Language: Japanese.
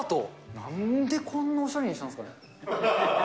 なんでこんなおしゃれにしたんですかね？